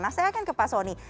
nah saya akan ke pak soni